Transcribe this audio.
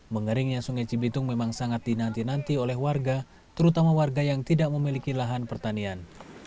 mengeringnya sungai cibitung memang sangat dinanti nanti oleh warga terutama warga yang tidak memiliki lahan pertanian